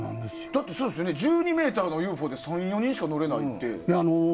だって１２ｍのＵＦＯで３４人しか乗れないって。